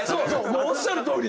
もうおっしゃるとおり。